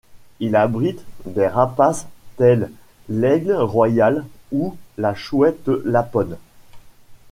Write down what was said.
Il abrite des rapaces tels l'aigle royal ou la chouette lapone.